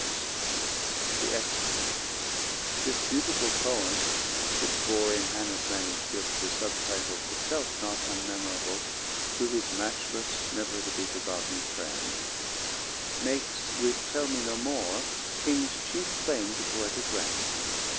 120 [The Exequy.] This beautiful poem (which bore in Hannah's MS. the sub title, itself not unmemorable, 'To his Matchless never to be forgotten Friend') makes, with 'Tell me no more', King's chief claim to poetic rank.